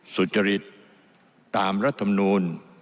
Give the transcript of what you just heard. สุจริตตามรัฐมนูล